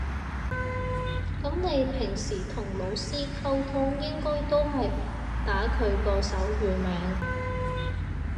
噉你平時同老師溝通應該都係打佢個手語名